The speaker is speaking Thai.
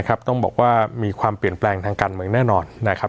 ต้องบอกว่ามีความเปลี่ยนแปลงทางการเมืองแน่นอนนะครับ